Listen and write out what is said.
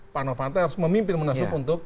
pak novanto harus memimpin munaslup untuk